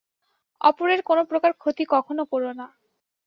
অপরের কোন প্রকার ক্ষতি কখনও কর না।